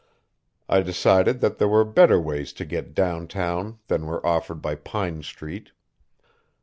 I decided that there were better ways to get down town than were offered by Pine Street.